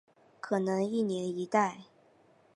可能一年一代。